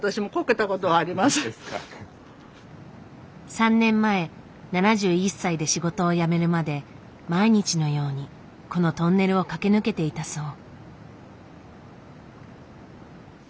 ３年前７１歳で仕事を辞めるまで毎日のようにこのトンネルを駆け抜けていたそう。